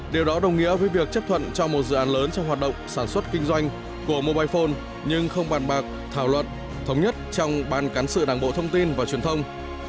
điều đó đồng nghĩa với việc chấp thuận cho một dự án lớn trong hoạt động sản xuất kinh doanh của mobile phone nhưng không bàn bạc thảo luận thống nhất trong ban cán sự đảng bộ thông tin và truyền thông